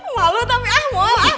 malu tapi ah mau